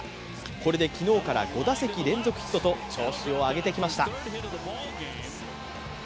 これで昨日から５打席連続ヒットと調子を上げてきました。